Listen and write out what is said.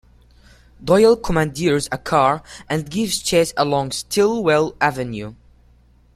Doyle commandeers a car and gives chase along Stillwell Avenue.